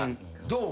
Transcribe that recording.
どう？